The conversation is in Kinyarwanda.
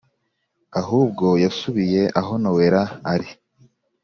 ahubwo yasubiye aho nowela ari